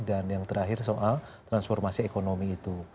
dan yang terakhir soal transformasi ekonomi itu